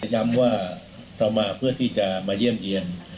ย้ำว่าเรามาเพื่อที่จะมาเยี่ยมเยี่ยน